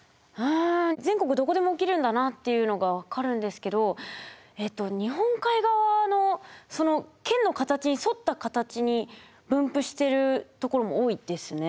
全国どこでも起きるんだなっていうのが分かるんですけどえっと日本海側のその県の形に沿った形に分布してる所も多いですね。